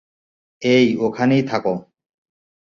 এই, ওখানেই থাকো।